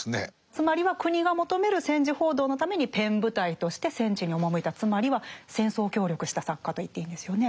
つまりは国が求める戦時報道のためにペン部隊として戦地に赴いたつまりは戦争協力した作家と言っていいんですよね。